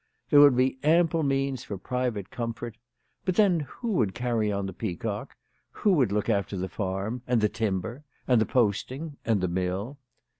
There would be ample means for private comfort. But then who would carry on the Peacock, who would look after the farm, and the timber, and the posting,* and the mill